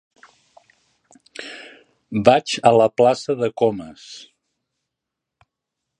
Vaig a la plaça de Comas.